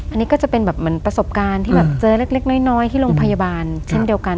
อันนี้ก็จะเป็นแบบเหมือนประสบการณ์ที่แบบเจอเล็กน้อยที่โรงพยาบาลเช่นเดียวกัน